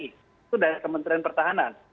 itu dari kementerian pertahanan